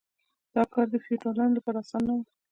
دا کار د فیوډالانو لپاره اسانه نه و.